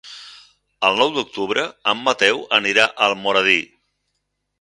El nou d'octubre en Mateu anirà a Almoradí.